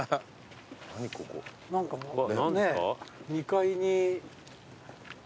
２階に。